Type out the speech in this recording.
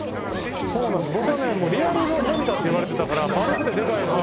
僕はね「リアルのび太」って言われてたから丸くてでかいのは。